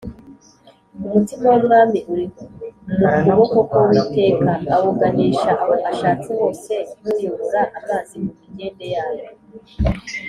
umutima w’umwami uri mu kuboko k’uwiteka, awuganisha aho ashatse hose nk’uyobora amazi mu migende yayo